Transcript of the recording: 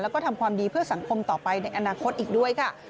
แล้วก็ทำความดีเพื่อสังคมต่อไปในอนาคตอีกด้วยค่ะ